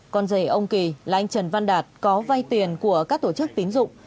con rể ông kỳ là anh trần văn đạt có vay tiền của các tổ chức tín dụng